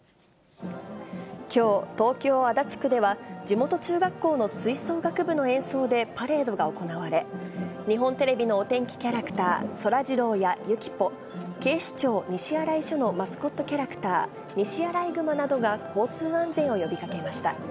きょう、東京・足立区では、地元中学校の吹奏楽部の演奏でパレードが行われ、日本テレビのお天気キャラクター、そらジローやゆきポ、警視庁西新井署のマスコットキャラクター、にしあらいぐまなどが交通安全を呼びかけました。